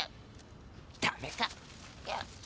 ダメか。